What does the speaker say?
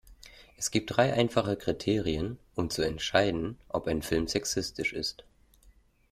Es gibt drei einfache Kriterien, um zu entscheiden, ob ein Film sexistisch ist.